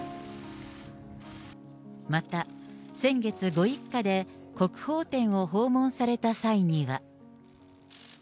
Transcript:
また、先月ご一家で国宝展を訪問された際には。